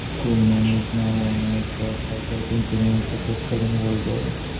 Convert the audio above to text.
Quinan is now one of the "forgotten generals" of the Second World War.